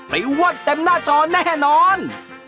อ้วนเต็มหน้าจอแน่นอน